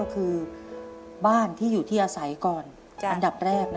คือบ้านที่อยู่ที่อาศัยก่อนอันดับแรก